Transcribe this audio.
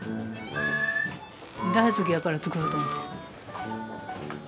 大好きやから作ろうと思って。